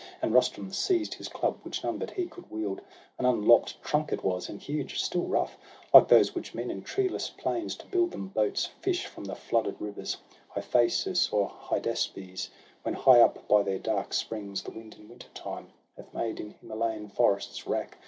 And Rustum seized his club, which none but he Could wield ; an unlopp'd trunk it was, and huge, SOHRAB AND RUSTUM. loi Still rough — like those which men in treeless plains To build them boats fish from the flooded rivers, Hyphasis or Hydaspes, when, high up By their dark springs, the wind in winter time Hath made in Himalayan forests wrack.